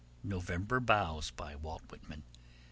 November Boughs. By Walt Whitman.